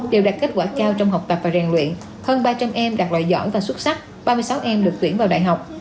đều đạt kết quả cao trong học tập và rèn luyện hơn ba trăm linh em đạt loại giỏi và xuất sắc ba mươi sáu em được tuyển vào đại học